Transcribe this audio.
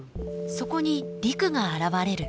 そこに陸が現れる。